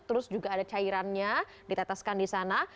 terus juga ada cairannya diteteskan di sana